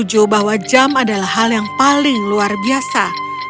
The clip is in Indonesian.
setuju bahwa jam adalah hal yang paling luar biasa